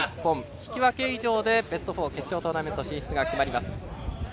引き分け以上でベスト４決勝トーナメント進出が決まります。